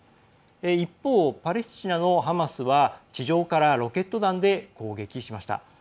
一方、パレスチナのハマスは地上からロケット弾で攻撃しました。